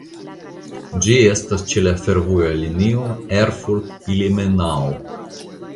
Ĝi estas ĉe la fervoja linio Erfurt–Ilmenau.